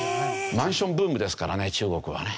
マンションブームですからね中国はね。